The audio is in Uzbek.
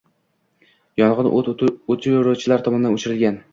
Yong‘in o‘t o‘chiruvchilar tomonidan o‘chirilgan